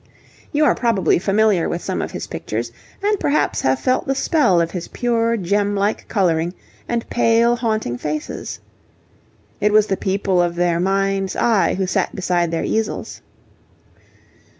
You are probably familiar with some of his pictures and perhaps have felt the spell of his pure gem like colouring and pale, haunting faces. It was the people of their minds' eye who sat beside their easels.